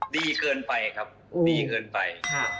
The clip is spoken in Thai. ดีเกินไปครับดีเกินไป